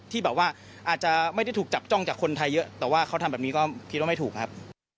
ที่แบบว่าอาจจะไม่ได้ถูกจับจ้องจากคนไทยเยอะแต่ว่าเขาทำแบบนี้ก็คิดว่าไม่ถูกครับ